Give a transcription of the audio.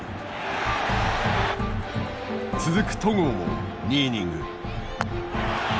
続く戸郷も２イニング。